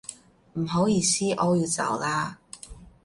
唔好意思，我要走啦